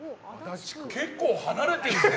結構離れてるね。